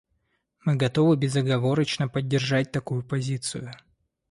Мы готовы безоговорочно поддержать такую позицию.